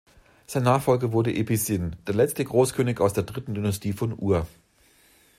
Sein Nachfolger wurde Ibbi-Sin, der letzte Großkönig aus der Dritten Dynastie von Ur.